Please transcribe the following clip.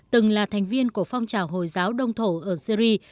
từng là thành viên của phong trào hồi giáo đông thổ ở syri